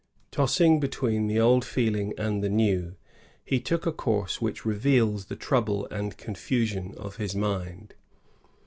Tossing between the old feeling and the new, he took a course which reveals the trouble and confusion of his mind.